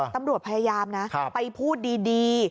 ตำรวจพยายามนะไปพูดดี